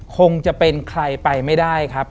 คงจะเป็นใครไปไม่ได้ครับ